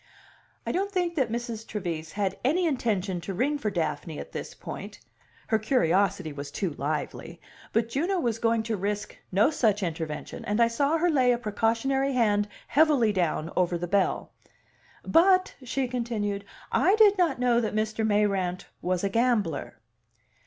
I don't think that Mrs. Trevise had any intention to ring for Daphne at this point her curiosity was too lively; but Juno was going to risk no such intervention, and I saw her lay a precautionary hand heavily down over the bell. "But," she continued, "I did not know that Mr. Mayrant was a gambler."